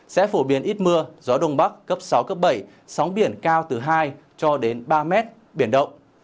sẽ phổ biến ít mưa gió đông bắc cấp sáu cấp bảy sóng biển cao từ hai cho đến ba mét biển động